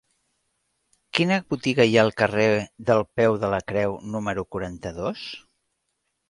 Quina botiga hi ha al carrer del Peu de la Creu número quaranta-dos?